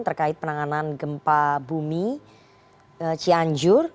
terkait penanganan gempa bumi cianjur